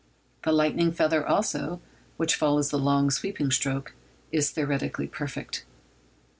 The lightning feather, also, which follows the long sweeping stroke, is theoretically perfect.